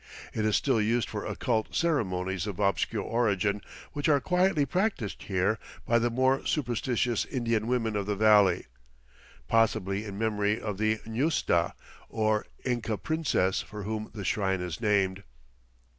It is still used for occult ceremonies of obscure origin which are quietly practiced here by the more superstitious Indian women of the valley, possibly in memory of the ñusta or Inca princess for whom the shrine is named.